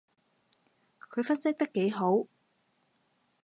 佢分析得幾號